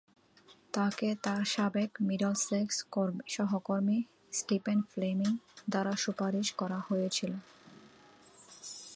তাকে তার সাবেক মিডলসেক্স সহকর্মী স্টিফেন ফ্লেমিং দ্বারা সুপারিশ করা হয়েছিল।